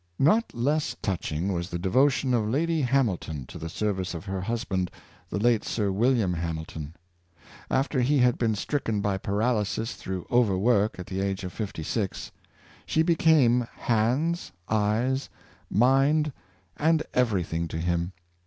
Not less touching was the devotion of Lady Ham ilton to the service of her husband, the late Sir William Hamilton. After he had been stricken by paralysis through overwork at the age of fifty six, she became hands, eyes, mind and everything to him.